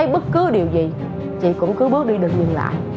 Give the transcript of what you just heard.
bất cứ điều gì chị cũng cứ bước đi đừng dừng lại